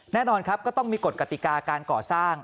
แน่นอนครับก็ต้องมีกฎกติกาการก่อสร้าง